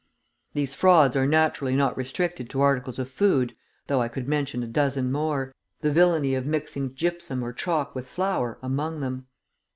These frauds are naturally not restricted to articles of food, though I could mention a dozen more, the villainy of mixing gypsum or chalk with flour among them.